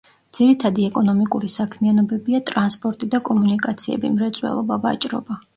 ძირითადი ეკონომიკური საქმიანობებია ტრანსპორტი და კომუნიკაციები, მრეწველობა, ვაჭრობა.